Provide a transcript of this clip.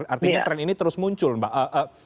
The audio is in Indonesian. artinya tren ini terus muncul mbak